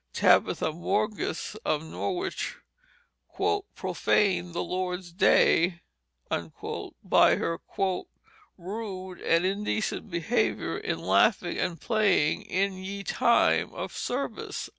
Tabatha Morgus of Norwich "prophaned the Lord's daye" by her "rude and indecent behavior in Laughing and playing in ye tyme of service."